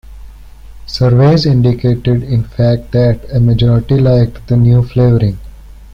Surveys indicated, in fact, that a majority liked the new flavoring.